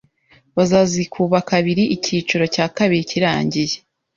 bakazikuba kabiri icyiciro cya kabiri kirangiye